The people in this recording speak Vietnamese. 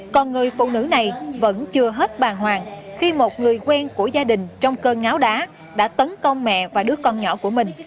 còn người phụ nữ này vẫn chưa hết bàng hoàng khi một người quen của gia đình trong cơn ngáo đá đã tấn công mẹ và đứa con nhỏ của mình